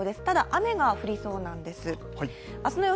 ただ、雨が降りそうなんです。